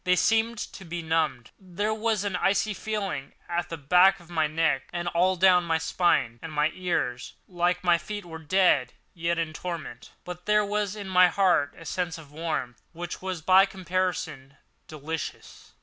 They seemed to be numbed. There was an icy feeling at the back of my neck and all down my spine, and my ears, like my feet, were dead, yet in torment; but there was in my breast a sense of warmth which was, by comparison, delicious.